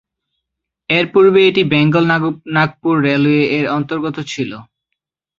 এর পূর্বে এটি বেঙ্গল নাগপুর রেলওয়ে-এর অন্তর্গত ছিল।